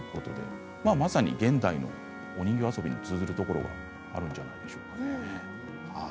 まさに現代のお人形遊びに通ずるところがあるんじゃないでしょうか。